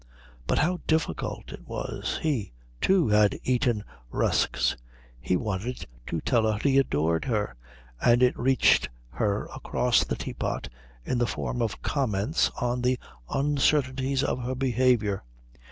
But how difficult it was! He, too, had eaten rusks. He wanted to tell her he adored her, and it reached her across the teapot in the form of comments on the uncertainties of her behaviour.